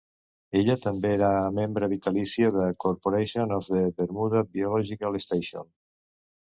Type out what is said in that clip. Ella també era membre vitalícia de Corporation of the Bermuda Biological Station.